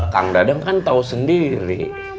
kang dadang kan tahu sendiri